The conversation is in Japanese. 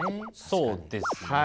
そうですね。